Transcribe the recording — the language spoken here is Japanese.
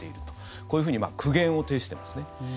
こういうふうに苦言を呈していますね。